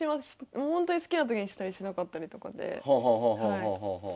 もうほんとに好きな時にしたりしなかったりとかで。